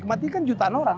menikmatikan jutaan orang